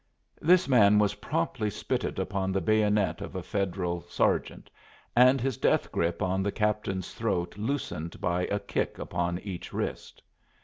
This man was promptly spitted upon the bayonet of a Federal sergeant and his death gripe on the captain's throat loosened by a kick upon each wrist.